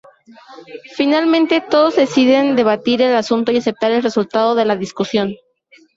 Finalmente, todos deciden debatir el asunto y aceptar el resultado de la discusión.